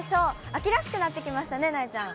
秋らしくなってきましたね、なえちゃん。